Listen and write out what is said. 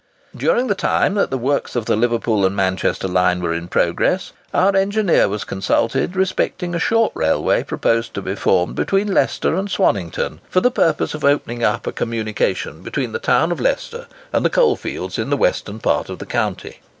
During the time that the works of the Liverpool and Manchester line were in progress, our engineer was consulted respecting a short railway proposed to be formed between Leicester and Swannington, for the purpose of opening up a communication between the town of Leicester and the coal fields in the western part of the county.